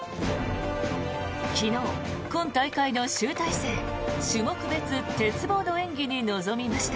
昨日、今大会の集大成種目別鉄棒の演技に臨みました。